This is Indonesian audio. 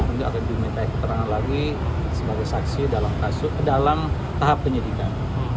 saya akan diminta ikut terang lagi sebagai saksi dalam tahap penyidikan